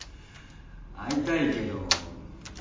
会いたいけどま